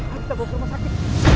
ayo kita bawa ke rumah sakit